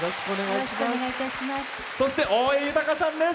そして、大江裕さんです。